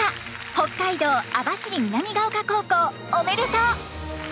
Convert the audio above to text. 北海道網走南ケ丘高校おめでとう。